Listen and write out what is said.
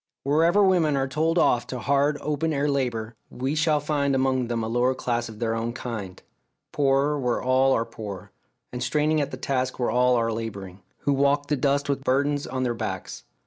Wherever women are told off to hard open air labour, we shall find among them a lower class of their own kind poorer where all are poor, and straining at their task where all are labouring who walk the dust with burdens on their backs.